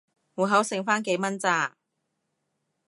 戶口剩番幾蚊咋